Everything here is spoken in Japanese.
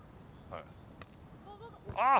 ああ！